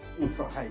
はい。